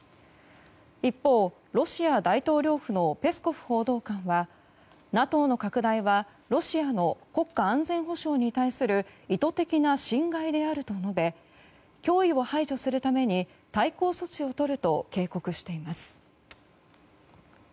一方、ロシア大統領府のペスコフ報道官はＮＡＴＯの拡大はロシアの国家安全保障に対する意図的な侵害であると述べ脅威を排除するために対抗措置を取ると警告しています。